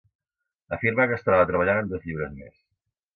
Afirma que es troba treballant en dos llibres més.